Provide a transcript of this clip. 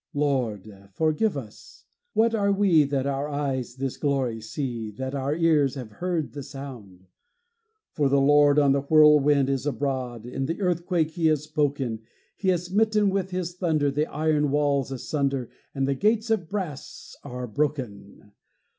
Lord, forgive us! What are we, That our eyes this glory see, That our ears have heard the sound! For the Lord On the whirlwind is abroad; In the earthquake He has spoken; He has smitten with His thunder The iron walls asunder, And the gates of brass are broken!